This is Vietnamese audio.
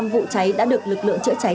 vụ cháy đã được lực lượng chữa cháy